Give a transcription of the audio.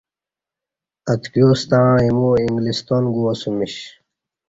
ا تکیوستݩع ایمو انگلستان گوا سمیش۔